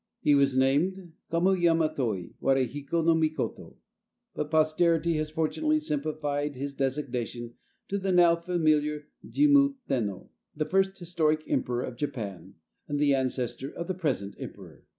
He was named Kamuyamatoi warehiko no Mikoto, but posterity has fortunately simplified his designation to the now familiar Jimmu Tenno, the first historic Emperor of Japan, and the ancestor of the present emperor.